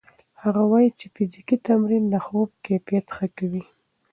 هغه وايي چې فزیکي تمرین د خوب کیفیت ښه کوي.